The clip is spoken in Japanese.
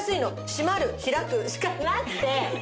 「しまる」「ひらく」しかなくて。